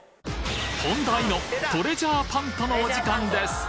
本題のトレジャーパントのお時間です！